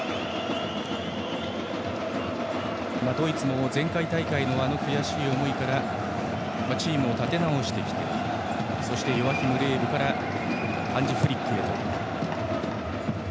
ドイツも前回大会のあの悔しい思いからチームを立て直してきてそしてレーブからハンジ・フリックへ。